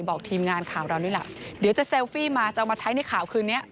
บอกทีมงานข่าวเราด้วยล่ะเดี๋ยวจะเซลฟี่มาจะเอามาใช้ในข่าวคืนนี้